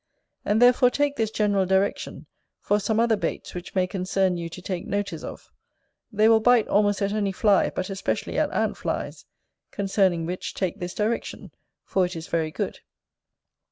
And therefore take this general direction, for some other baits which may concern you to take notice of: they will bite almost at any fly, but especially at ant flies; concerning which take this direction, for it is very good.